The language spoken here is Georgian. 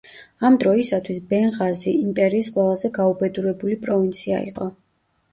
ამ დროისათვის ბენღაზი იმპერიის ყველაზე გაუბედურებული პროვინცია იყო.